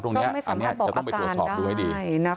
ตรงนี้จะต้องไปตรวจสอบดูให้ดี